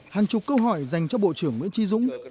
hàng chục câu hỏi dành cho bộ trưởng nguyễn tri dũng